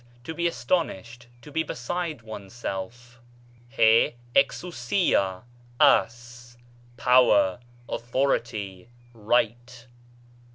to be astonished, to be beside one's self. ἐξουσία, as, ἡ, power, authority, right.